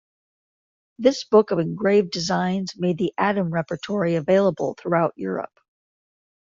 This book of engraved designs made the "Adam" repertory available throughout Europe.